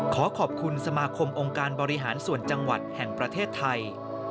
ขอขอบคุณสมาคมองค์การบริหารส่วนจังหวัดแห่งประเทศไทย